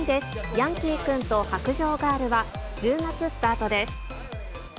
ヤンキー君と白杖ガールは、１０月スタートです。